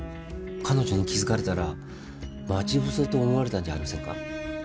彼女に気づかれたら待ち伏せと思われたんじゃありませんか？